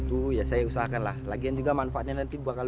tanah saya yang lainnya sudah menjadi tps warga